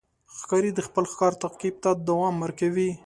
ښکاري د خپل ښکار تعقیب ته دوام ورکوي.